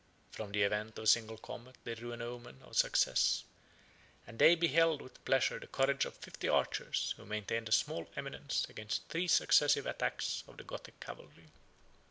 From the event of a single combat they drew an omen of success; and they beheld with pleasure the courage of fifty archers, who maintained a small eminence against three successive attacks of the Gothic cavalry.